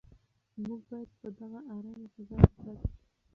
موږ باید په دغه ارامه فضا کې پاتې شو.